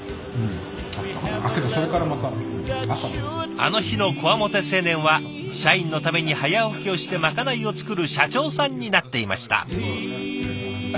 あの日のこわもて青年は社員のために早起きをしてまかないを作る社長さんになっていました。